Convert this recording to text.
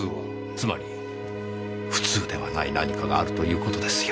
つまり普通ではない何かがあるという事ですよ。